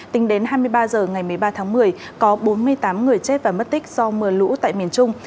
tính đến hai mươi ba h ngày một mươi ba tháng một mươi có bốn mươi tám người chết và mất tích do mưa lũ tại miền trung